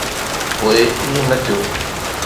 پوءِ ائين نه ٿيو.